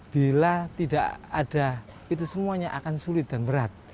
bila tidak ada itu semuanya akan sulit dan berat